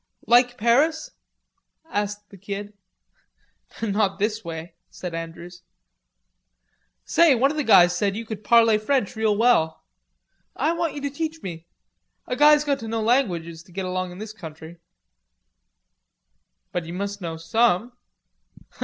"Like Paris?" asked the Kid. "Not this way," said Andrews. "Say, one of the guys said you could parlay French real well. I want you to teach me. A guy's got to know languages to get along in this country." "But you must know some."